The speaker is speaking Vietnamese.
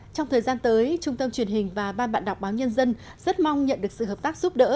trong thời gian tới trung tâm truyền hình và ban bạn đọc báo nhân dân rất mong nhận được sự hợp tác giúp đỡ